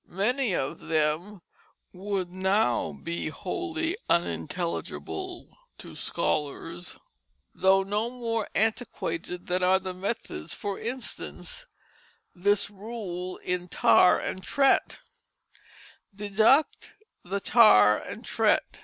Many of them would now be wholly unintelligible to scholars, though no more antiquated than are the methods; for instance, this rule in Tare and Trett: "Deduct the Tare and Trett.